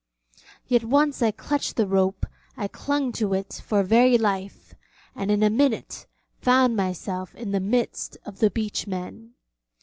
Yet once I clutched the rope I clung to it for very life, and in a minute found myself in the midst of the beachmen.